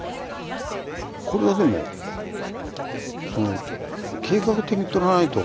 これはでも計画的に撮らないと